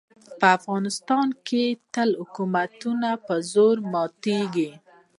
په افغانستان کې تل حکومتونه په زور ماتېږي.